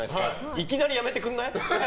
いきなりやめてくれない？